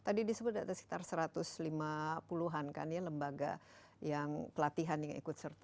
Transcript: tadi disebut ada sekitar satu ratus lima puluh an kan ya lembaga yang pelatihan yang ikut serta